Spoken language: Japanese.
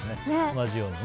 同じようにね。